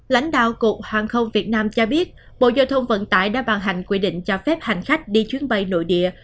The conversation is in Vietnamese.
lãnh đạo cục hàng không việt nam cho biết bộ giao thông vận tải đã bàn hành quy định cho phép hành khách đi chuyến bay nội địa